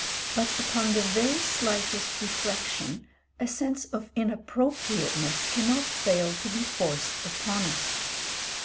But upon the very slightest reflection a sense of inappropriateness cannot fail to be forced upon us.